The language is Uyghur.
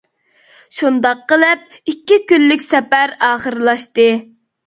شۇنداق قىلىپ ئىككى كۈنلۈك سەپەر ئاخىرلاشتى.